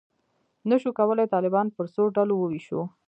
نه شو کولای طالبان پر څو ډلو وویشو.